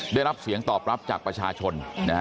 ได้รับเสียงตอบรับจากประชาชน